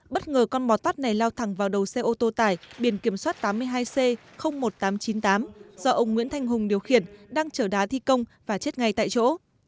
bất ngờ con bò tót này lao thẳng vào đầu xe ô tô tải biển kiểm soát tám mươi hai c một nghìn tám trăm chín mươi tám do ông nguyễn thanh hùng điều khiển đang chở đá thi công và chết ngay tại chỗ